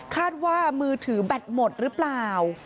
ว่ามือถือแบตหมดหรือเปล่า